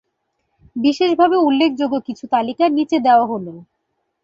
বিশেষভাবে উল্লেখযোগ্য কিছু তালিকা নিচে দেওয়া হল।